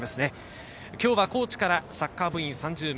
今日は高知からサッカー部員３０名。